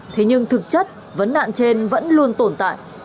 thế nhưng thực chất vấn nạn trên vẫn luôn tồn tại